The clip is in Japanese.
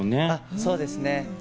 そうですね。